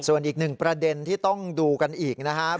ส่วนอีกหนึ่งประเด็นที่ต้องดูกันอีกนะครับ